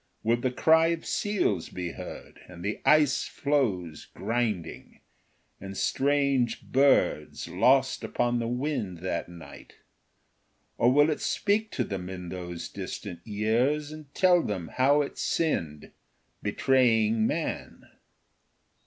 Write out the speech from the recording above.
Will the cry of seals be heard, and ice floes grinding, and strange birds lost upon the wind that night, or will it speak to them in those distant years and tell them how it sinned, betraying man?